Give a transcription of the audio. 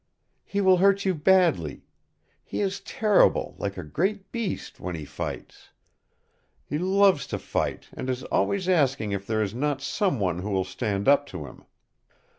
"He will hurt you badly. He is terrible, like a great beast, when he fights. He loves to fight and is always asking if there is not some one who will stand up to him.